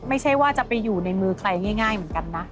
ไม่ใช่ว่าจะไปอยู่ในมือใครง่ายเหมือนกันนะ